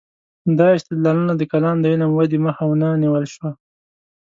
دا استدلالونه د کلام د علم ودې مخه ونه نیول شوه.